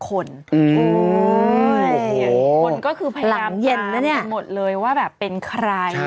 คนก็คือพยายามตามไปหมดเลยว่าแบบเป็นใคร